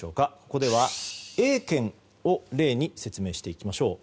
ここでは、Ａ県を例に説明していきましょう。